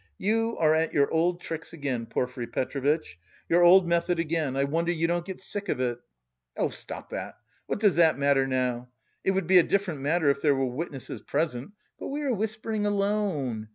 "You are at your old tricks again, Porfiry Petrovitch! Your old method again. I wonder you don't get sick of it!" "Oh, stop that, what does that matter now? It would be a different matter if there were witnesses present, but we are whispering alone.